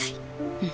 うん。